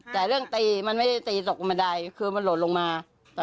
แต่เรื่องตีมันไม่ได้ตีตกบันไดคือมันหล่นลงมา